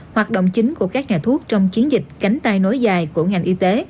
hoạt động chính của các nhà thuốc trong chiến dịch cánh tay nối dài của ngành y tế